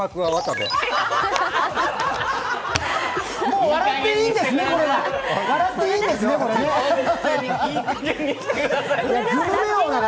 もう、笑っていいんですね、これは？